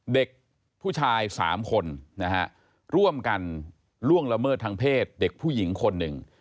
เด็กผู้ชาย๓คนนะฮะร่วมกันล่วงละเมิดทางเพศเด็กผู้หญิงคนหนึ่ง